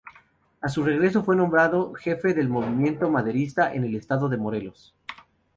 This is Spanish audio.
A su regreso fue nombrado jefe del movimiento Maderista en el Estado de Morelos.